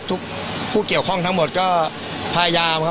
ผู้เกี่ยวข้องทั้งหมดก็พยายามครับ